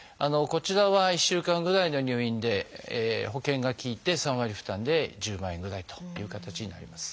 こちらは１週間ぐらいの入院で保険が利いて３割負担で１０万円ぐらいという形になります。